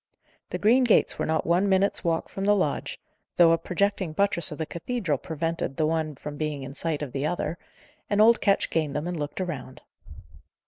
The green gates were not one minute's walk from the lodge though a projecting buttress of the cathedral prevented the one from being in sight of the other and old Ketch gained them, and looked around.